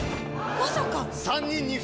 まさか！